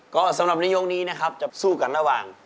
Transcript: ก็สำหรับในยกนี้นะครับจะสู้กันระหว่าง